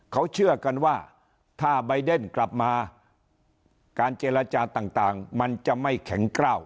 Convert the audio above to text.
เขาเชื่อกันว่าถ้าใบเดนกลับมาการเจรจาต่างมันจะไม่แข็งกล้าว